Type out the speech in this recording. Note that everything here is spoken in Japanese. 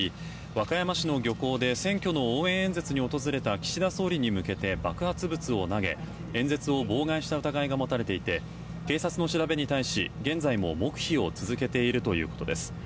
和歌山市の漁港で選挙の応援演説に訪れた岸田総理に向けて爆発物を投げ演説を妨害した疑いが持たれていて警察の調べに対し現在も黙秘を続けているということです。